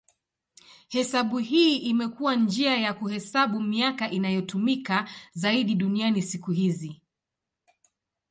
Hesabu hii imekuwa njia ya kuhesabu miaka inayotumika zaidi duniani siku hizi.